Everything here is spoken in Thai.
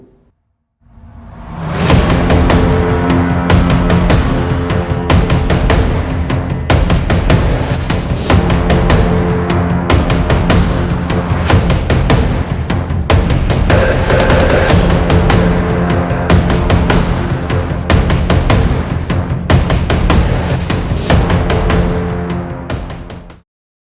ทุกคนสอนลูกสอนหลานว่าพอเรื่องนี้เกิดขึ้นยาอย่างโน้นอย่างนี้